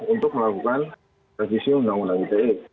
untuk melakukan revisi undang undang ite